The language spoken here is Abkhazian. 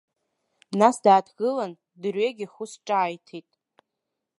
Нас дааҭгылан, дырҩегьых ус ҿааиҭит.